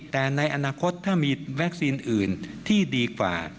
แต่ในอนาคตถ้ามีวัคซีนอื่นที่ดีกว่า